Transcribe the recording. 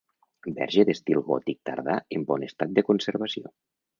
Verge d'estil gòtic tardà en bon estat de conservació.